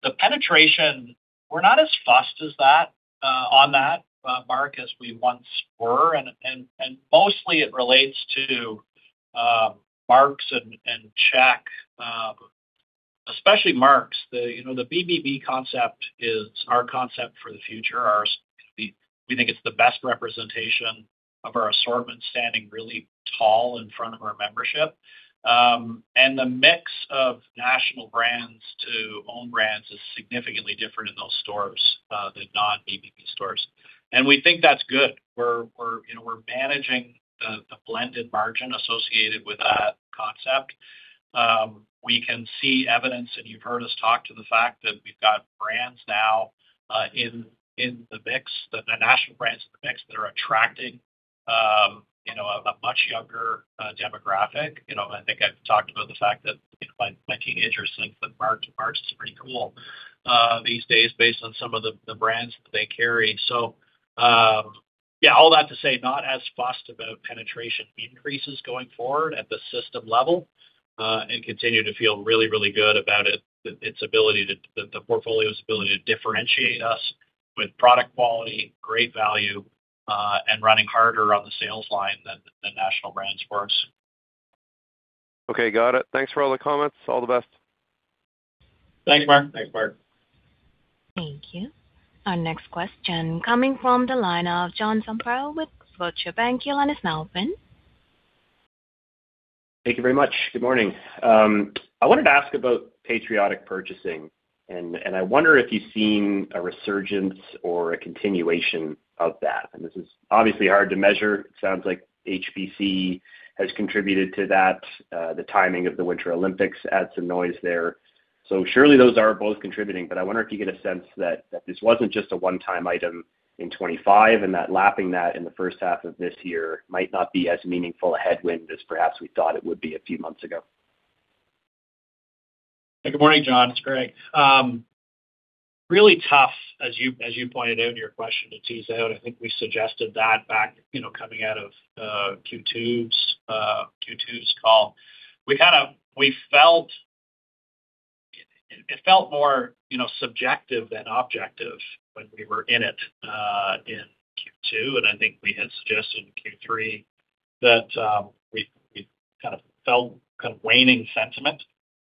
The penetration, we're not as fussed about that on Mark's as we once were, and mostly it relates to Mark's and Sport Chek, especially Mark's. You know, the BBB concept is our concept for the future. We think it's the best representation of our assortment, standing really tall in front of our membership. And the mix of national brands to own brands is significantly different in those stores than non-BBB stores. And we think that's good. You know, we're managing the blended margin associated with that concept. We can see evidence, and you've heard us talk about the fact that we've got brands now in the mix, the national brands in the mix, that are attracting you know a much younger demographic. You know, I think I've talked about the fact that my teenager thinks that Mark's is pretty cool these days based on some of the brands that they carry. So, yeah, all that to say, not as fussed about penetration increases going forward at the system level, and continue to feel really, really good about it, its ability to the portfolio's ability to differentiate us with product quality, great value, and running harder on the sales line than the national brands for us. Okay, got it. Thanks for all the comments. All the best. Thanks, Mark. Thanks, Mark. Thank you. Our next question coming from the line of John Zamparo with Scotiabank. Your line is now open. Thank you very much. Good morning. I wanted to ask about patriotic purchasing, and I wonder if you've seen a resurgence or a continuation of that? And this is obviously hard to measure. It sounds like HBC has contributed to that, the timing of the Winter Olympics add some noise there. So surely those are both contributing, but I wonder if you get a sense that this wasn't just a one-time item in 2025, and that lapping that in the first half of this year might not be as meaningful a headwind as perhaps we thought it would be a few months ago. Good morning, John, it's Greg. Really tough, as you, as you pointed out in your question, to tease out. I think we suggested that back, you know, coming out of Q2's call. We felt it felt more, you know, subjective than objective when we were in it in Q2, and I think we had suggested in Q3 that we kind of felt waning sentiment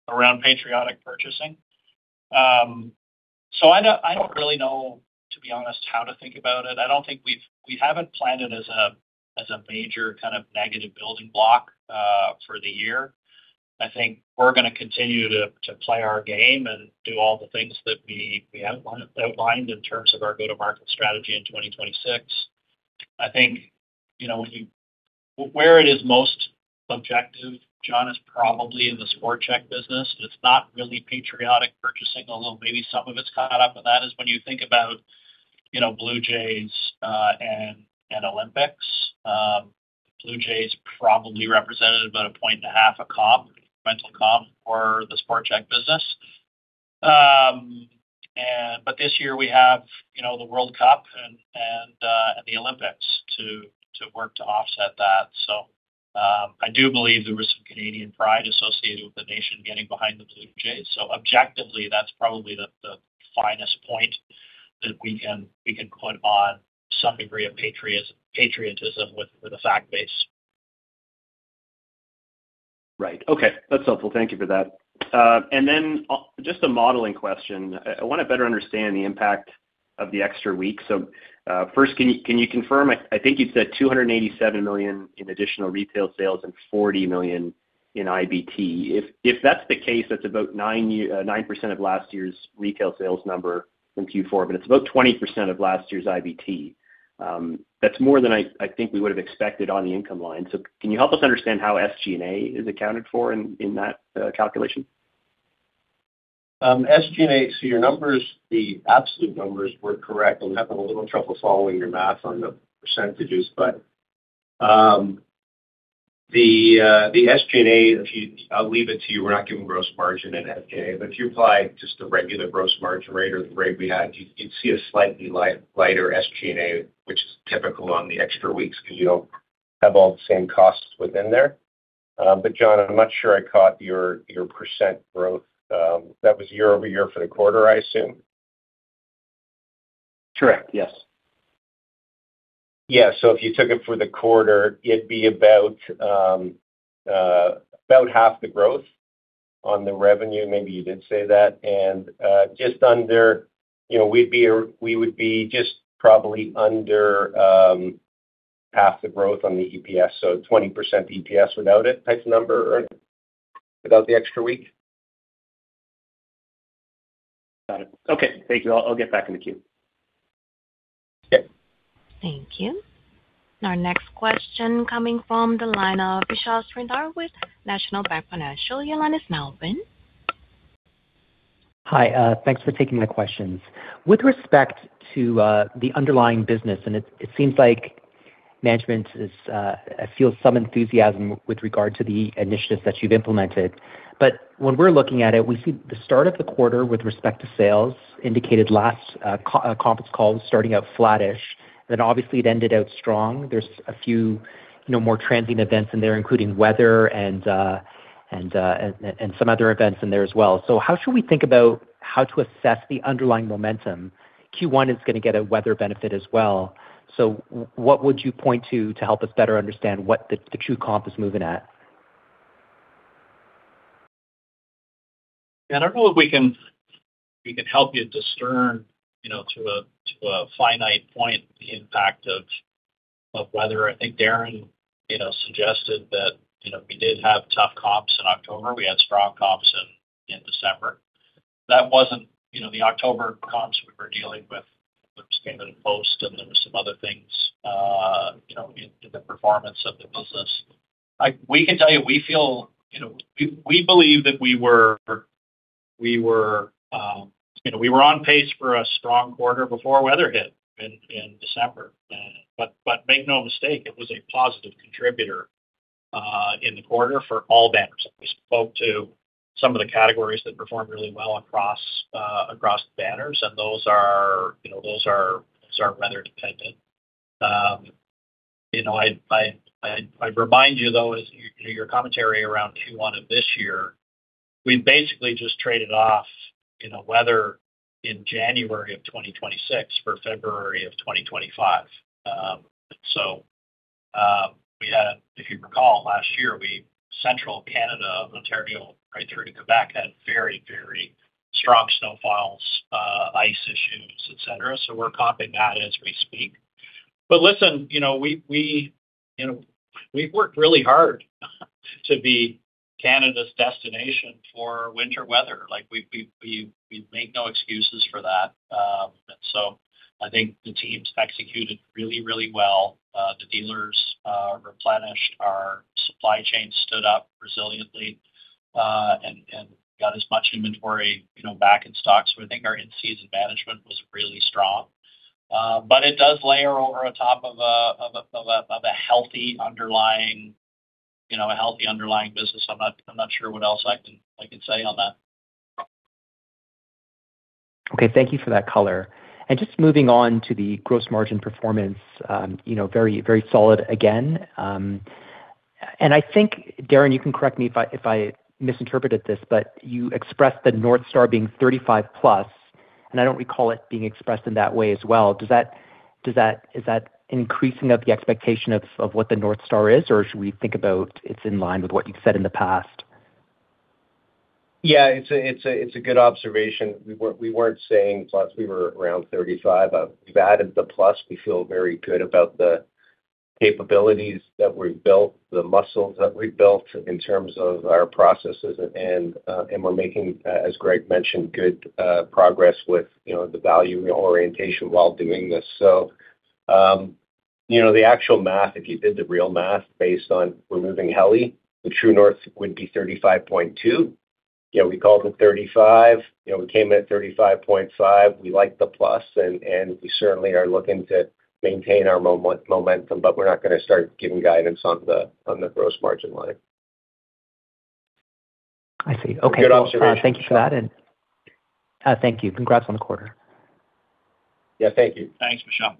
around patriotic purchasing. So I don't really know, to be honest, how to think about it. I don't think we've planned it as a major kind of negative building block for the year. I think we're gonna continue to play our game and do all the things that we have outlined in terms of our go-to-market strategy in 2026. I think, you know, where it is most subjective, John, is probably in the Sport Chek business. It's not really patriotic purchasing, although maybe some of it's caught up with that, when you think about, you know, Blue Jays and Olympics. Blue Jays probably represented about 1.5, a comp mental comp for the Sport Chek business. And but this year we have, you know, the World Cup and the Olympics to work to offset that. So, I do believe there is some Canadian pride associated with the nation getting behind the Blue Jays. So objectively, that's probably the finest point that we can put on some degree of patriotism with a fact base. Right. Okay, that's helpful. Thank you for that. And then just a modeling question. I wanna better understand the impact of the extra week. So, first, can you confirm, I think you said 287 million in additional retail sales and 40 million in IBT. If that's the case, that's about 9% of last year's retail sales number from Q4, but it's about 20% of last year's IBT. That's more than I think we would have expected on the income line. So can you help us understand how SG&A is accounted for in that calculation? SG&A, so your numbers, the absolute numbers were correct. I'm having a little trouble following your math on the percentages. But, the SG&A, if you-- I'll leave it to you, we're not giving gross margin and SG&A, but if you apply just the regular gross margin rate or the rate we had, you'd see a slightly lighter SG&A, which is typical on the extra weeks, because you don't have all the same costs within there. But John, I'm not sure I caught your percent growth. That was year-over-year for the quarter, I assume? Correct. Yes. Yeah. So if you took it for the quarter, it'd be about half the growth on the revenue. Maybe you did say that. And just under, you know, we'd be, we would be just probably under half the growth on the EPS, so 20% EPS without it, type of number, without the extra week? Got it. Okay, thank you. I'll get back in the queue. Okay. Thank you. Our next question coming from the line of Vishal Shreedhar with National Bank Financial. Your line is now open. Hi, thanks for taking my questions. With respect to, the underlying business, and it seems like management is, I feel some enthusiasm with regard to the initiatives that you've implemented. But when we're looking at it, we see the start of the quarter with respect to sales indicated last, conference call, starting out flattish, then obviously it ended out strong. There's a few, you know, more transient events in there, including weather and some other events in there as well. So how should we think about how to assess the underlying momentum? Q1 is gonna get a weather benefit as well. So what would you point to, to help us better understand what the true comp is moving at? I don't know if we can help you discern, you know, to a finite point, the impact of weather. I think Darren, you know, suggested that, you know, we did have tough comps in October. We had strong comps in December. That wasn't, you know, the October comps we were dealing with, which came in post, and there were some other things, you know, in the performance of the business. We can tell you, we feel, you know, we believe that we were, you know, we were on pace for a strong quarter before weather hit in December. But make no mistake, it was a positive contributor in the quarter for all banners. We spoke to some of the categories that performed really well across the banners, and those are, you know, weather dependent. You know, I remind you, though, as your commentary around Q1 of this year, we basically just traded off, you know, weather in January of 2026 for February of 2025. So, we had. If you recall, last year, Central Canada, Ontario, right through to Quebec, had very, very strong snowfalls, ice issues, et cetera. So we're comping that as we speak. But listen, you know, we've worked really hard to be Canada's destination for winter weather. Like, we make no excuses for that. So I think the teams executed really, really well. The dealers replenished our supply chain, stood up resiliently, and got as much inventory, you know, back in stock. So I think our in-season management was really strong. But it does layer over on top of a healthy underlying, you know, a healthy underlying business. I'm not sure what else I can say on that. Okay, thank you for that color. And just moving on to the gross margin performance, you know, very, very solid again. And I think, Darren, you can correct me if I, if I misinterpreted this, but you expressed the North Star being 35+, and I don't recall it being expressed in that way as well. Does that, does that, Is that increasing of the expectation of, of what the North Star is, or should we think about it's in line with what you've said in the past? Yeah, it's a good observation. We weren't saying plus, we were around 35. We've added the plus. We feel very good about the capabilities that we've built, the muscles that we've built in terms of our processes. And we're making, as Greg mentioned, good progress with, you know, the value orientation while doing this. So, you know, the actual math, if you did the real math based on removing Helly, the True North would be 35.2. You know, we called it 35, you know, we came in at 35.5. We like the plus, and we certainly are looking to maintain our momentum, but we're not gonna start giving guidance on the gross margin line. I see. Okay. Good observation. Thank you for that. Thank you. Congrats on the quarter. Yeah, thank you. Thanks, Vishal.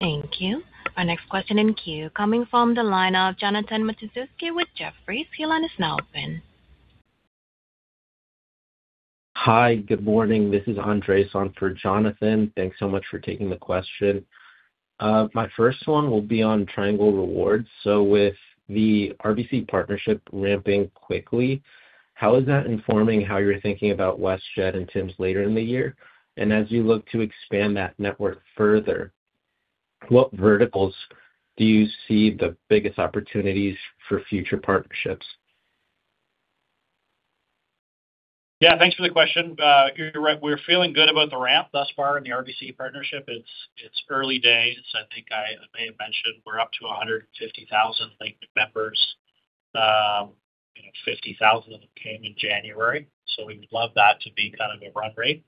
Thank you. Our next question in queue, coming from the line of Jonathan Matuszewski with Jefferies. Your line is now open. Hi, good morning. This is Andre, on for Jonathan. Thanks so much for taking the question. My first one will be on Triangle Rewards. So with the RBC partnership ramping quickly, how is that informing how you're thinking about WestJet and Tims later in the year? And as you look to expand that network further, what verticals do you see the biggest opportunities for future partnerships? Yeah, thanks for the question. You're right, we're feeling good about the ramp thus far in the RBC partnership. It's early days. I think I may have mentioned we're up to 150,000, I think, members. You know, 50,000 came in January, so we would love that to be kind of a run rate.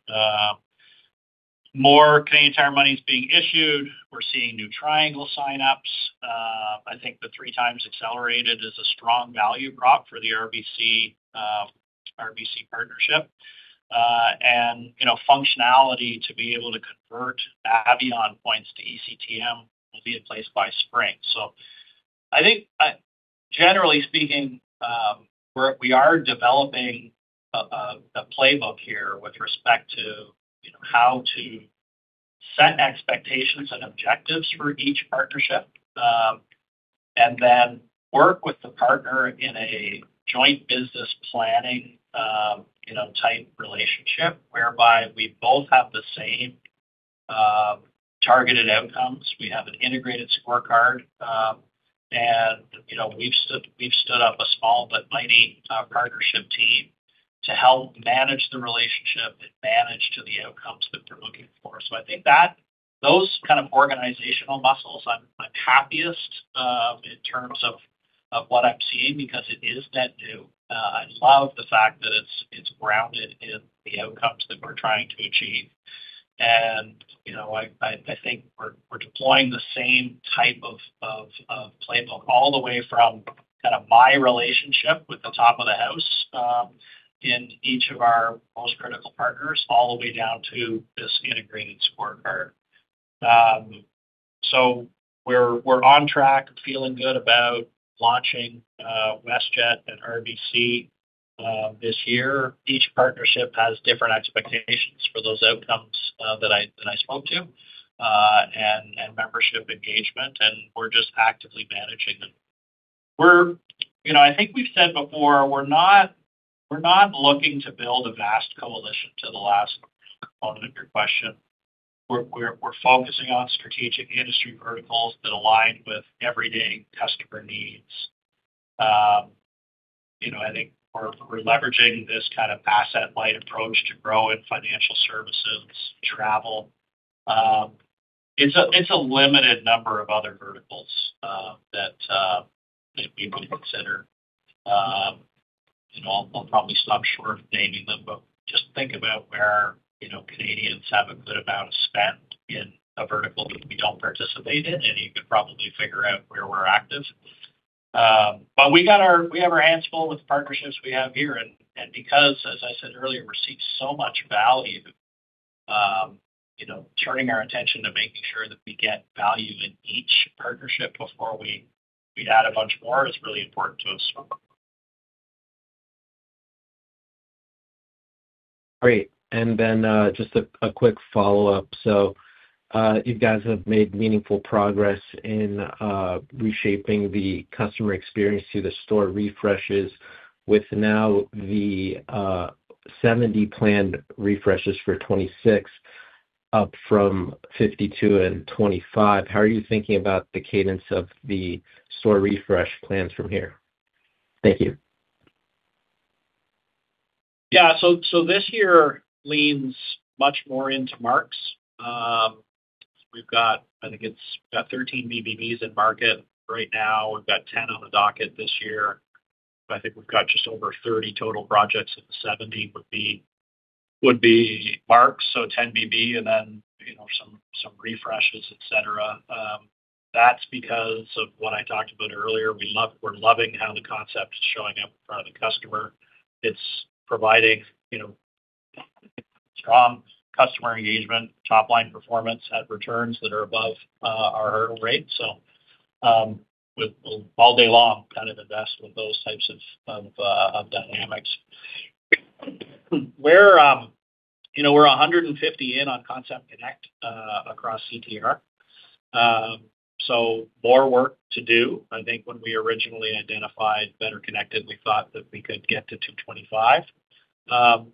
More Canadian Tire Money is being issued. We're seeing new Triangle sign-ups. I think the 3x accelerated is a strong value prop for the RBC partnership. And, you know, functionality to be able to convert Avion points to eCTM will be in place by spring. So I think, generally speaking, we are developing a playbook here with respect to, you know, how to set expectations and objectives for each partnership, and then work with the partner in a joint business planning, you know, tight relationship whereby we both have the same targeted outcomes. We have an integrated scorecard, and, you know, we've stood up a small but mighty partnership team to help manage the relationship and manage to the outcomes that they're looking for. So I think that those kind of organizational muscles, I'm happiest in terms of what I'm seeing because it is that new. I love the fact that it's grounded in the outcomes that we're trying to achieve. You know, I think we're deploying the same type of playbook all the way from kind of my relationship with the top of the house in each of our most critical partners, all the way down to this integrated scorecard. So we're on track, feeling good about launching WestJet and RBC this year. Each partnership has different expectations for those outcomes that I spoke to, and membership engagement, and we're just actively managing them. You know, I think we've said before, we're not looking to build a vast coalition to the last component of your question. We're focusing on strategic industry verticals that align with everyday customer needs. You know, I think we're leveraging this kind of asset-light approach to grow in financial services, travel. It's a limited number of other verticals that we would consider. And I'll probably stop short of naming them, but just think about where, you know, Canadians have a good amount of spend in a vertical that we don't participate in, and you could probably figure out where we're active. But we have our hands full with the partnerships we have here, and because, as I said earlier, we see so much value, you know, turning our attention to making sure that we get value in each partnership before we add a bunch more is really important to us. Great. Then, just a quick follow-up. You guys have made meaningful progress in reshaping the customer experience through the store refreshes with now the 70 planned refreshes for 2026, up from 52 and 25. How are you thinking about the cadence of the store refresh plans from here? Thank you. Yeah. So, so this year leans much more into Mark's. We've got, I think it's, we've got 13 BBBs in market right now. We've got 10 on the docket this year. I think we've got just over 30 total projects, and 70 would be, would be Mark's, so 10 BB, and then, you know, some, some refreshes, et cetera. That's because of what I talked about earlier. We love-- We're loving how the concept is showing up for the customer. It's providing, you know, strong customer engagement, top-line performance at returns that are above, our hurdle rate. So, with all day long, kind of invest with those types of, of, of dynamics. We're, you know, we're 150 in on Concept Connect, across CTR. So more work to do. I think when we originally identified Better Connected, we thought that we could get to 225.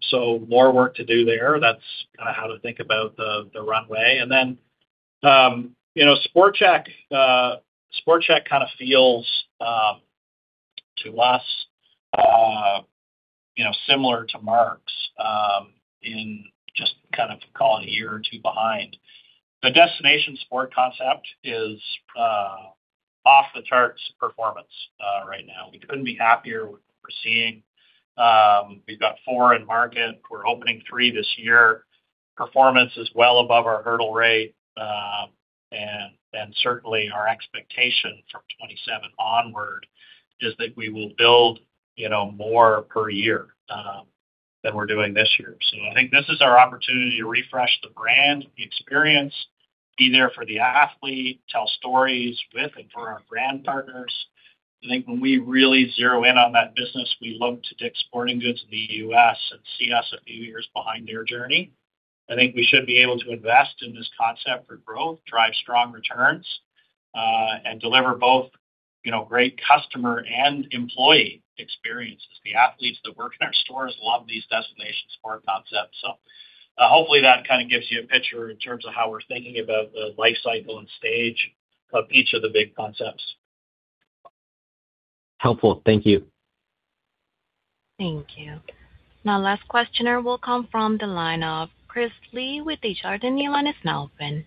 So more work to do there. That's kinda how to think about the runway. And then, you know, Sport Chek, Sport Chek kind of feels, to us, you know, similar to Mark's, in just kind of call it a year or two behind. The Destination Sport concept is off the charts performance right now. We couldn't be happier with what we're seeing. We've got 4 in market. We're opening 3 this year. Performance is well above our hurdle rate, and certainly our expectation from 2027 onward is that we will build, you know, more per year, than we're doing this year. So I think this is our opportunity to refresh the brand, the experience, be there for the athlete, tell stories with and for our brand partners. I think when we really zero in on that business, we look to DICK'S Sporting Goods in the U.S. and see us a few years behind their journey. I think we should be able to invest in this concept for growth, drive strong returns, and deliver both, you know, great customer and employee experiences. The athletes that work in our stores love these Destination Sport concepts. So, hopefully, that kind of gives you a picture in terms of how we're thinking about the life cycle and stage of each of the big concepts. Helpful. Thank you. Thank you. Now, last questioner will come from the line of Chris Li with Desjardins. The line is now open.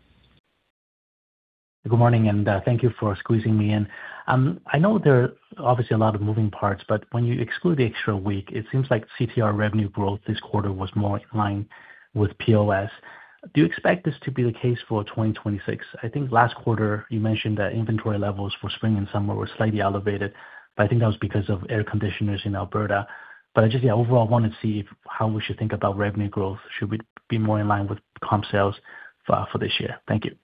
Good morning, and thank you for squeezing me in. I know there are obviously a lot of moving parts, but when you exclude the extra week, it seems like CTR revenue growth this quarter was more in line with POS. Do you expect this to be the case for 2026? I think last quarter you mentioned that inventory levels for spring and summer were slightly elevated, but I think that was because of air conditioners in Alberta. But I just, yeah, overall, wanted to see if how we should think about revenue growth. Should we be more in line with comp sales for, for this year? Thank you.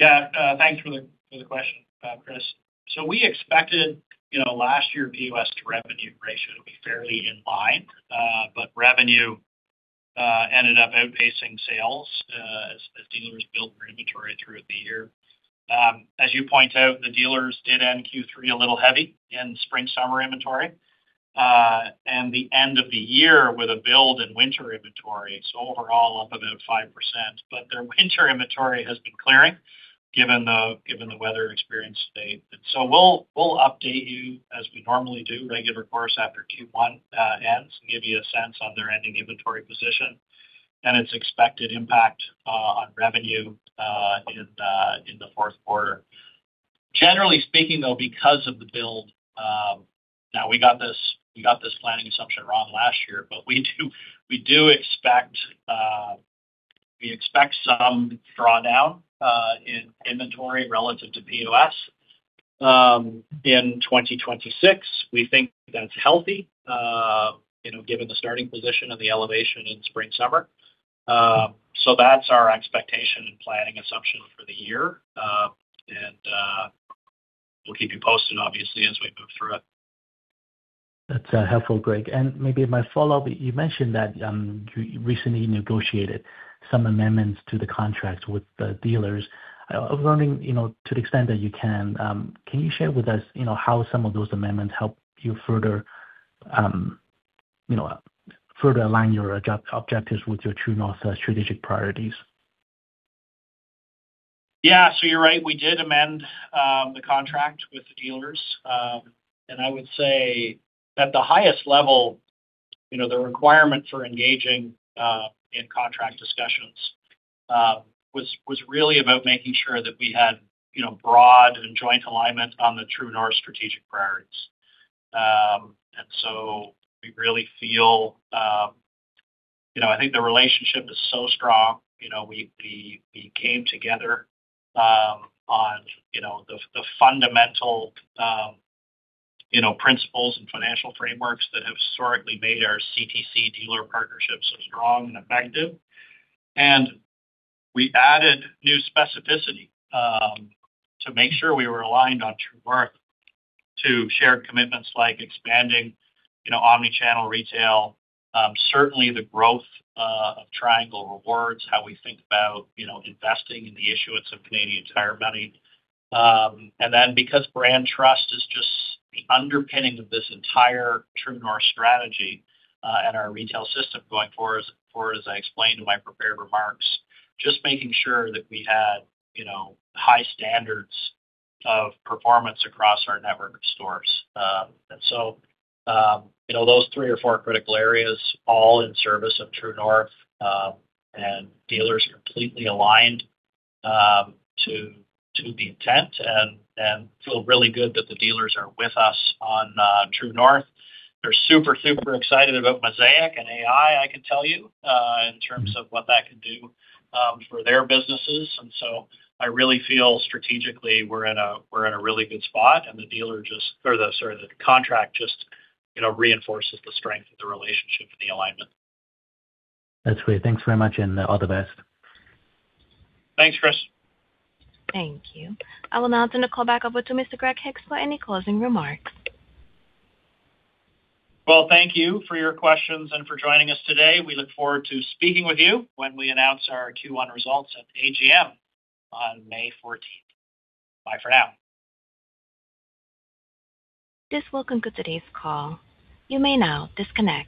Yeah, thanks for the question, Chris. So we expected, you know, last year POS to revenue ratio to be fairly in line, but revenue ended up outpacing sales, as dealers built their inventory throughout the year. As you point out, the dealers did end Q3 a little heavy in spring, summer inventory, and the end of the year with a build in winter inventory. So overall up about 5%, but their winter inventory has been clearing, given the weather experience state. So we'll update you as we normally do, regular course after Q1 ends, and give you a sense on their ending inventory position and its expected impact on revenue in the fourth quarter. Generally speaking, though, because of the build, now we got this, we got this planning assumption wrong last year, but we do, we do expect, we expect some drawdown, in inventory relative to POS, in 2026. We think that's healthy, you know, given the starting position and the elevation in spring, summer. So that's our expectation and planning assumption for the year. And, we'll keep you posted, obviously, as we move through it. That's helpful, Greg. Maybe my follow-up, you mentioned that you recently negotiated some amendments to the contracts with the dealers. I was wondering, you know, to the extent that you can, can you share with us, you know, how some of those amendments help you further, you know, further align your objectives with your True North strategic priorities? Yeah. So you're right, we did amend the contract with the dealers. And I would say at the highest level, you know, the requirement for engaging in contract discussions was really about making sure that we had, you know, broad and joint alignment on the True North strategic priorities. And so we really feel. You know, I think the relationship is so strong. You know, we came together on, you know, the fundamental, you know, principles and financial frameworks that have historically made our CTC dealer partnership so strong and effective. And we added new specificity to make sure we were aligned on True North to shared commitments like expanding, you know, omni-channel retail, certainly the growth of Triangle Rewards, how we think about, you know, investing in the issuance of Canadian Tire Money. And then because brand trust is just the underpinning of this entire True North strategy, and our retail system going forward, as far as I explained in my prepared remarks, just making sure that we had, you know, high standards of performance across our network of stores. And so, you know, those three or four critical areas all in service of True North, and dealers are completely aligned, to, to the intent and, and feel really good that the dealers are with us on True North. They're super, super excited about Mosaic and AI, I can tell you, in terms of what that can do, for their businesses. And so I really feel strategically, we're in a, we're in a really good spot, and the dealer just or the, sorry, the contract just, you know, reinforces the strength of the relationship and the alignment. That's great. Thanks very much, and all the best. Thanks, Chris. Thank you. I will now turn the call back over to Mr. Greg Hicks for any closing remarks. Well, thank you for your questions and for joining us today. We look forward to speaking with you when we announce our Q1 results at AGM on May fourteenth. Bye for now. This will conclude today's call. You may now disconnect.